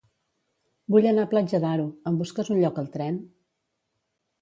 Vull anar a Platja d'Aro; em busques un lloc al tren?